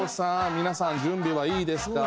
みなさん準備はいいですかー？」